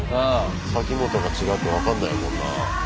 サキモトが違うって分かんないもんな。